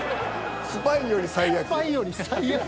スパイより最悪や。